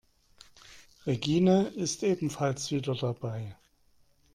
Regine ist ebenfalls wieder dabei.